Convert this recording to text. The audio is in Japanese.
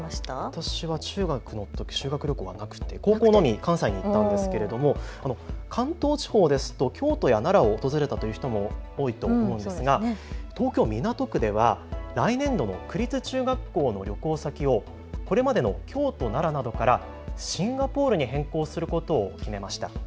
私は中学のとき修学旅行がなくて高校のみ関西に行ったんですけれども関東地方ですと京都や奈良を訪れたという人も多いと思うんですが東京港区では来年度の区立中学校の旅行先をこれまでの京都・奈良などからシンガポールに変更することを決めました。